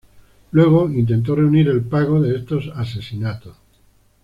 Luego, intentó reunir el pago de estos asesinatos.